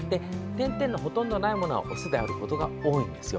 点々のほとんどないものはオスであることが多いんですよ。